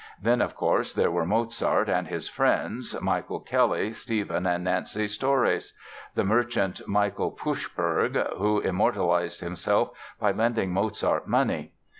Then, of course, there were Mozart and his friends Michael Kelly, Stephen and Nancy Storace, the merchant Michael Puchberg (who immortalized himself by lending Mozart money).